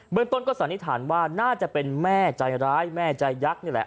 เมืองต้นก็สันนิษฐานว่าน่าจะเป็นแม่ใจร้ายแม่ใจยักษ์นี่แหละ